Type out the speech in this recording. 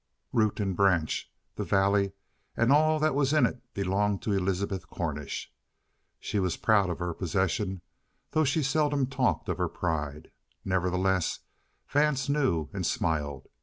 Root and branch, the valley and all that was in it belonged to Elizabeth Cornish. She was proud of her possession, though she seldom talked of her pride. Nevertheless, Vance knew, and smiled.